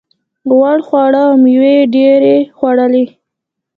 غوړ خواړه او مېوې یې ډېرې خوړلې.